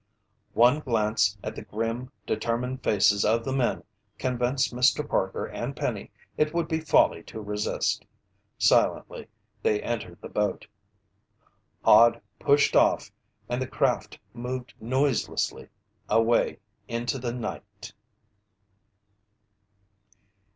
One glance at the grim, determined faces of the men convinced Mr. Parker and Penny it would be folly to resist. Silently they entered the boat. Hod pushed off and the craft moved noiselessly away into the night.